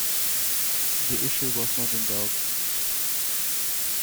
The issue was not in doubt.